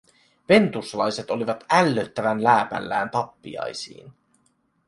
Ventuslaiset olivat ällöttävän lääpällään tappiaisiin.